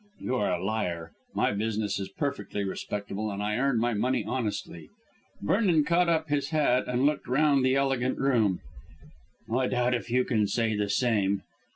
"You are a liar! My business is perfectly respectable, and I earn my money honestly." Vernon caught up his hat and looked round the elegant room. "I doubt if you can say the same."